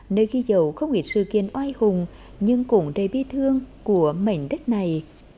nơi ghi dấu không chỉ sự kiến oai hùng nhưng cũng đầy bí thương của mảnh đất này